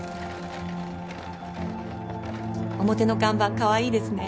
表の看板かわいいですね。